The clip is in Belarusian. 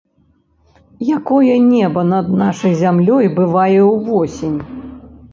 Якое неба над нашай зямлёй бывае ўвосень!